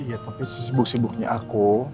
ya tapi sibuk sibuknya aku